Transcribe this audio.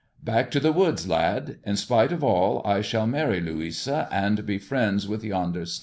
" Back to the woods, lad. In spite of all, I shall a Luisa, and he friends with yonder 6cn.